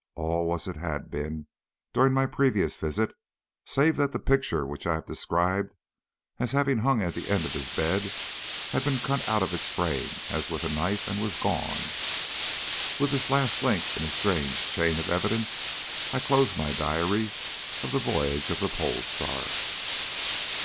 All was as it had been upon my previous visit, save that the picture which I have described as having hung at the end of his bed had been cut out of its frame, as with a knife, and was gone. With this last link in a strange chain of evidence I close my diary of the voyage of the Pole Star.